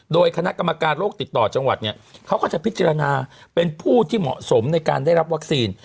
โดยคณะกรรมการโรคติดต่อจังหวัดเนี่ยเขาก็จะพิจารณาเป็นผู้ที่เหมาะสมในการได้รับวัคซีน